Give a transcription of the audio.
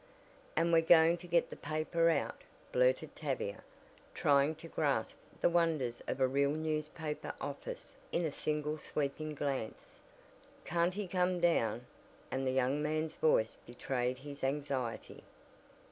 "And we're going to get the paper out," blurted Tavia, trying to grasp the wonders of a real newspaper office in a single sweeping glance. "Can't he come down?" and the young man's voice betrayed his anxiety.